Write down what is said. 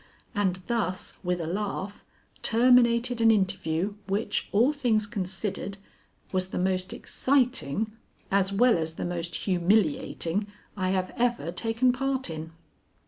And thus, with a laugh, terminated an interview which, all things considered, was the most exciting as well as the most humiliating I have ever taken part in.